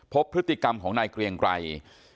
พบพฤติกรรมของนายเกรียงไกร